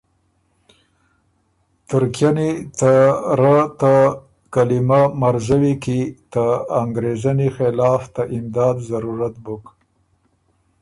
تُرکئني ته رۀ ته کلیمۀ مرزوی کی ته انګرېزنی خلاف ته امداد ضرورت بُک،